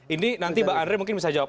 ini nanti bang andre mungkin bisa jawab